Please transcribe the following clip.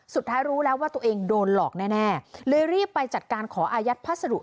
สุดท้ายรู้แล้วว่าตัวเองโดนหลอกแน่เลยรีบไปจัดการขออายัดพัสดุ